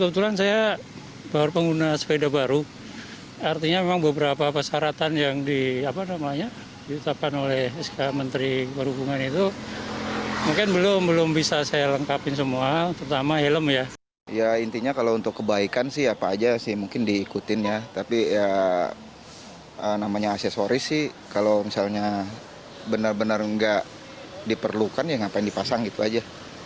tapi ya namanya aksesoris sih kalau misalnya benar benar enggak diperlukan ya ngapain dipasang gitu aja